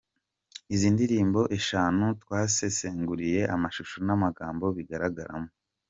Izi ni indirimbo eshanu twasesenguriye amashusho n’amagambo bigaragaramo.